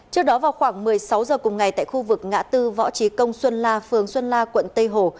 trước đó vào khoảng một mươi sáu h cùng ngày tại khu vực ngã tư võ trí công xuân la phường xuân la quận tây hồ